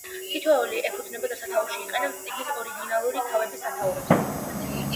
თითოეული ეფუძნება და სათაურში იყენებს წიგნის ორიგინალური თავების სათაურებს.